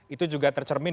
itu juga tercermin